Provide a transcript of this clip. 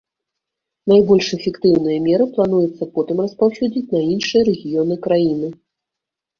Найбольш эфектыўныя меры плануецца потым распаўсюдзіць на іншыя рэгіёны краіны.